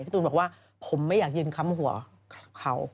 ตูนบอกว่าผมไม่อยากยืนค้ำหัวเขา